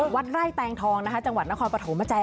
วัดไร่แตงทองนะคะจังหวัดนครปฐมมาใจ